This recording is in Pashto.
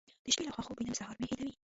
د شپې له خوا خوب وینم سهار مې هېروي.